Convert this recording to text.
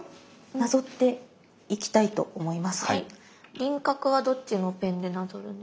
輪郭はどっちのペンでなぞるんですか？